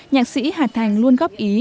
nhạc sĩ hà thành luôn góp ý